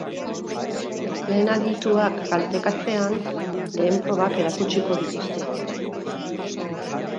Lehen adituak galdekatzean, lehen probak erakutsiko dituzte.